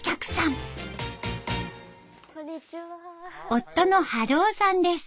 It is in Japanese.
夫の治夫さんです。